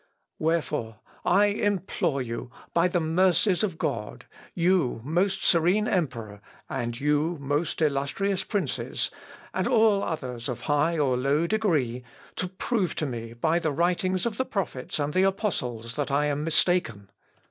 "Wherefore, I implore you, by the mercies of God, you, most serene Emperor, and you, most illustrious princes, and all others of high or low degree, to prove to me by the writings of the prophets and the apostles that I am mistaken.